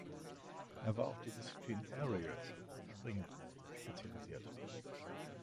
Er war auf die Disziplin Aerials (Springen) spezialisiert.